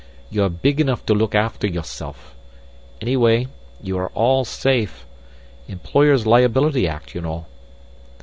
You're big enough to look after yourself. Anyway, you are all safe. Employers' Liability Act, you know."